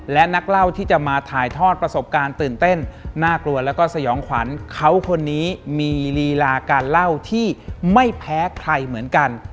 และนักเล่าที่จะมาถ่ายทอดประสบการณ์ตื่นเต้นน่ากลัวแล้วก็สยองขวัญเขาคนนี้มีลีลาการเล่าที่ไม่แพ้ใครเหมือนกัน